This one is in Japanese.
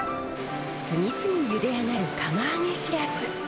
次々ゆで上がる釜揚げシラス。